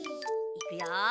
いくよ！